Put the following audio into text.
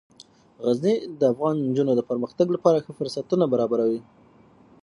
غزني د افغان نجونو د پرمختګ لپاره ښه فرصتونه برابروي.